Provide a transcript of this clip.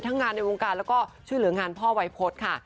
งานในวงการแล้วก็ช่วยเหลืองานพ่อวัยพฤษค่ะ